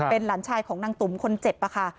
เป็นหลานชายของนางตุ๋มคนเจ็บค่ะ